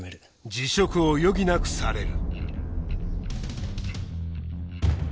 辞職を余儀なくされる